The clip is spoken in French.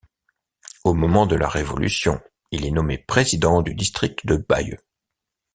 Au moment de la Révolution, il est nommé président du district de Bayeux.